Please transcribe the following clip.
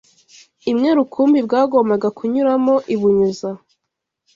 imwe rukumbi bwagombaga kunyuramo, ibunyuza